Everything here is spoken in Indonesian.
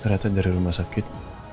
ternyata dari rumah sakit